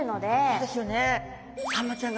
そうですよね。